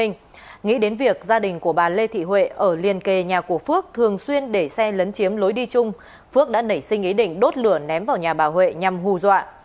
nghĩ đến việc gia đình của bà lê thị huệ ở liên kề nhà của phước thường xuyên để xe lấn chiếm lối đi chung phước đã nảy sinh ý định đốt lửa ném vào nhà bà huệ nhằm hù dọa